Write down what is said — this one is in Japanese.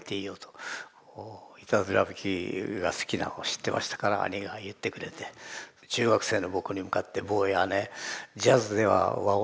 いたずら弾きが好きなのを知ってましたから兄が言ってくれて中学生の僕に向かって「坊やねジャズでは和音のことをね